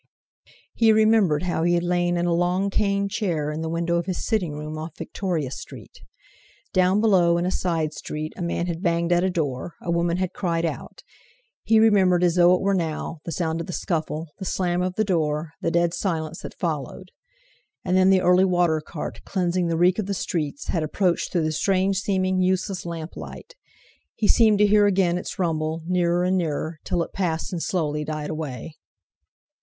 He remembered how he had lain in a long cane chair in the window of his sitting room off Victoria Street. Down below in a side street a man had banged at a door, a woman had cried out; he remembered, as though it were now, the sound of the scuffle, the slam of the door, the dead silence that followed. And then the early water cart, cleansing the reek of the streets, had approached through the strange seeming, useless lamp light; he seemed to hear again its rumble, nearer and nearer, till it passed and slowly died away.